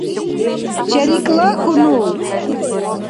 ЧерикӀла хьунул